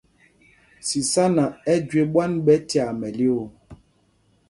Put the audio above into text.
Sisána ɛ jüe ɓwán ɓɛ̄ tyaa mɛlyoo.